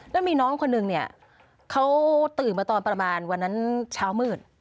แล้วมีน้องคนนึงเนี่ยเขาตื่นมาตอนประมาณวันนั้นเช้ามืด